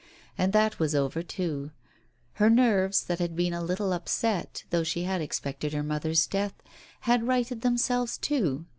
And that was ' over, too. Her nerves, that had been a little upset, though she had expected her mother's death, had righted themselves, too.